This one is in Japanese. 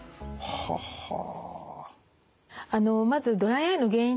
ははあ。